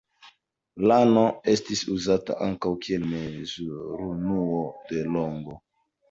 Lano estis uzata ankaŭ kiel mezurunuo de longo.